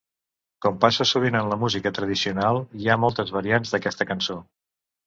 Com passa sovint en la música tradicional, hi ha moltes variants d'aquesta cançó.